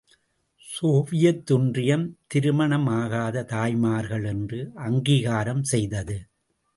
Soviet ஒன்றியம் திருமணம் ஆகாத தாய்மார்கள் என்று அங்கீகாரம் செய்தது.